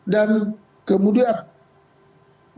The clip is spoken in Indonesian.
dan kemudian mencari